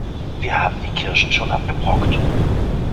Wir haben die Kirschen schon abgebrockt.